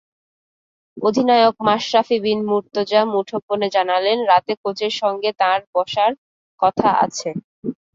অধিনায়ক মাশরাফি বিন মুর্তজা মুঠোফোনে জানালেন, রাতে কোচের সঙ্গে তাঁর বসার কথা আছে।